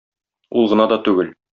Ул гына да түгел.